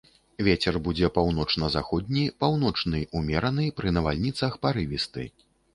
Вецер будзе паўночна-заходні, паўночны, умераны, пры навальніцах парывісты.